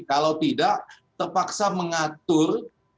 kalau tidak terpaksa mengatur